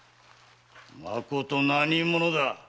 まこと何者だ？